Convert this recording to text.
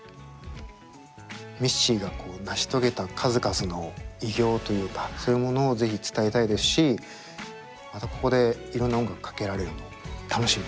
ミッシーが成し遂げた数々の偉業というかそういうものを是非伝えたいですしまたここでいろんな音楽かけられるのを楽しみにしております。